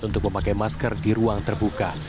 untuk memakai masker di ruang terbuka